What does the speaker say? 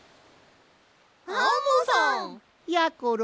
アンモさん！やころ